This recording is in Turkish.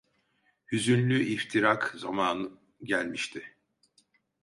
Hüzünlü iftirak zaman, gelmişti.